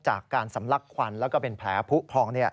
จากการสำลักควันแล้วก็เป็นแผลผู้พอง